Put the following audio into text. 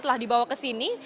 telah dibawa kesini